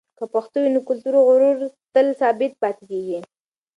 که پښتو وي، نو کلتوري غرور تل ثابت پاتېږي.